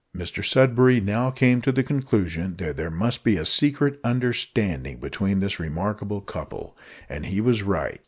Mr Sudberry now came to the conclusion that there must be a secret understanding between this remarkable couple; and he was right.